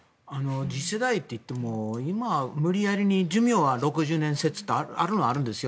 次世代といっても今、無理やりに寿命は６０年っていうのがあるのはあるんですよ。